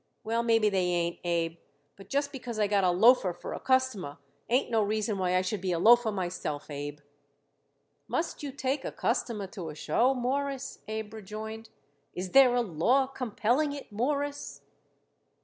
"Well, maybe they ain't, Abe. But just because I got a loafer for a customer ain't no reason why I should be a loafer myself, Abe." "Must you take a customer to a show, Mawruss?" Abe rejoined. "Is there a law compelling it, Mawruss?"